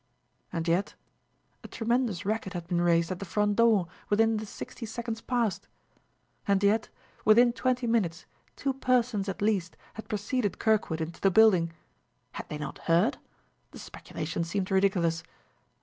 And yet, a tremendous racket had been raised at the front door, within the sixty seconds past! And yet, within twenty minutes two persons, at least, had preceded Kirkwood into the building! Had they not heard? The speculation seemed ridiculous.